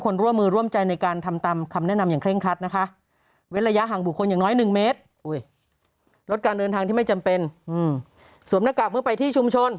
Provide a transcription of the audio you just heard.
ส่วมหน้ากากเมื่อไปที่ชุมชน